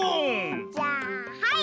じゃあはい！